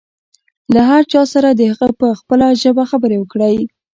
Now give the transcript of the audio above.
له هر چا سره د هغه په خپله ژبه خبرې وکړئ.